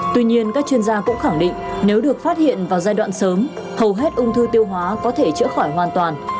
tuy nhiên các chuyên gia cũng khẳng định nếu được phát hiện vào giai đoạn sớm hầu hết ung thư tiêu hóa có thể chữa khỏi hoàn toàn